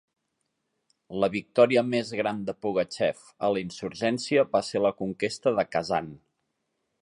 La victòria més gran de Pugachev a la insurgència va ser la conquesta de Kazan.